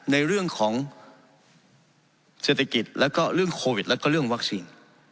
ในเรื่องของเศรษฐกิจแล้วก็เรื่องโควิดแล้วก็เรื่องวัคซีน